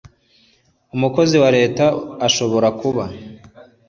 umukozi wa leta ashobora kuba